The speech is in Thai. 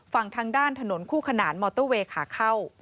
ฝั่งทางด้านถนนคู่ขนานมอเตอร์เวย์ขาเข้า